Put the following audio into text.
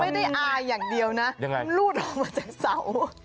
มันไม่ได้อายอย่างเดียวนะมันรูดออกมาจะเศร้า